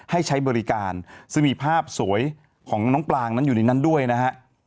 ให้ใช้บริการซึ่งมีภาพสวยของน้องปลางนั้นอยู่ในนั้นด้วยนะฮะ